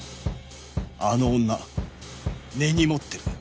あの女根に持ってる